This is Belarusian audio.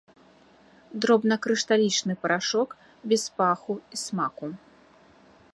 Дробнакрышталічны парашок без паху і смаку.